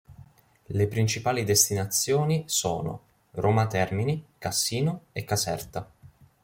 Le principali destinazioni sono: Roma Termini, Cassino e Caserta.